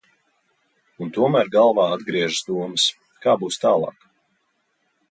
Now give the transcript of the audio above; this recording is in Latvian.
Un tomēr galvā atgriežas domas, kā būs tālāk?